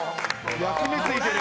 焼き目ついてる！